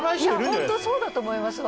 ホントそうだと思います